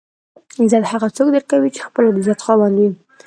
عزت هغه څوک درکوي چې خپله د عزت خاوند وي.